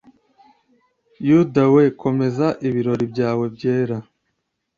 Yuda we komeza ibirori byawe byera